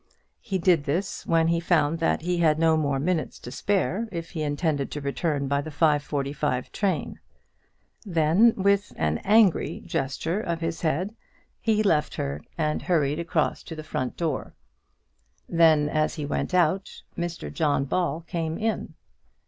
He did this when he found that he had no more minutes to spare if he intended to return by the 5.45 train. Then, with an angry gesture of his head, he left her, and hurried across to the front door. Then, as he went out, Mr John Ball came in.